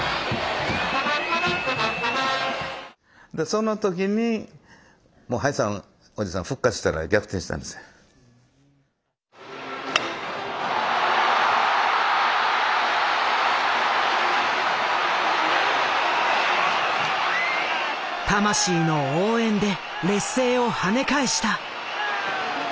その時に魂の応援で劣勢をはね返した。